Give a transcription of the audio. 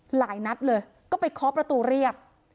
หลายนัดเลยก็ไปเคาะประตูเรียก